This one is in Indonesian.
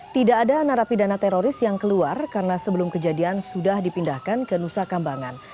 tidak ada narapidana teroris yang keluar karena sebelum kejadian sudah dipindahkan ke nusa kambangan